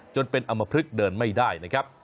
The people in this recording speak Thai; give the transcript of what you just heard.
จนเป็นอำมพลึกเดินไม่ได้นะครับ